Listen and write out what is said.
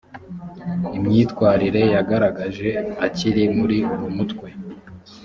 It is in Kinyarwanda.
imyitwarire yagaragaje akiri muri uwo mutwe.